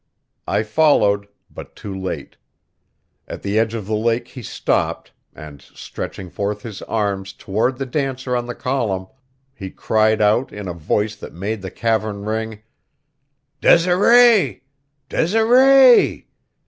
I followed, but too late. At the edge of the lake he stopped, and, stretching forth his arms toward the dancer on the column, he cried out in a voice that made the cavern ring: "Desiree! Desiree!